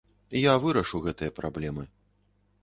Я вырашу гэтыя праблемы.